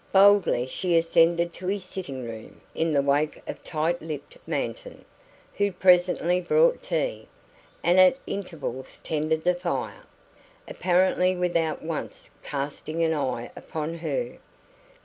Boldly she ascended to his sitting room in the wake of tight lipped Manton, who presently brought tea, and at intervals tended the fire, apparently without once casting an eye upon her.